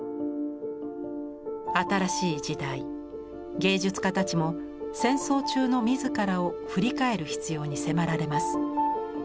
新しい時代芸術家たちも戦争中の自らを振り返る必要に迫られます。